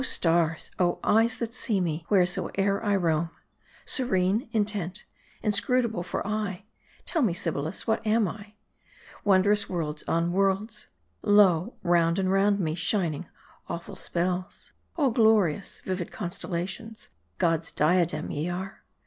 Oh stars ! oh eyes, that see me, wheresoe'er I roam : serene, intent, inscrutable for aye, tell me Sybils, what I am. Wondrous worlds on worlds ! Lo, round and round me, shining, awful spells : all glorious, vivid constellations, God's diadem ye are